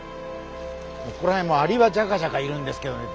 ここら辺もアリはジャカジャカいるんですけどね。